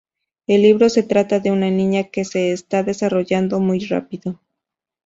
El libro se trata de una niña que se está desarrollando muy rápido.